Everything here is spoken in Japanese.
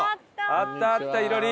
あったあったいろり。